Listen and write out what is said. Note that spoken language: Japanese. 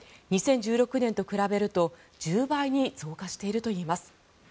２０１６年と比べると１０倍に増加しているといいます。